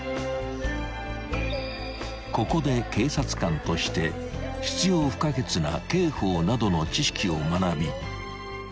［ここで警察官として必要不可欠な刑法などの知識を学び